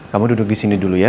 kamu duduk disini dulu ya